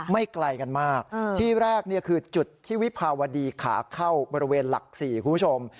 ไม่ไกลกันมากที่แรกคือจุดที่วิภาวดีขาเข้าบริเวณหลัก๔คุณผู้ชม